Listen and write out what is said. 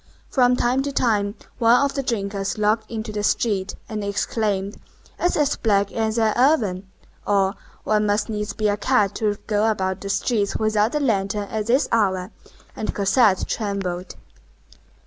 From time to time one of the drinkers looked into the street, and exclaimed, "It's as black as an oven!" or, "One must needs be a cat to go about the streets without a lantern at this hour!" And Cosette trembled.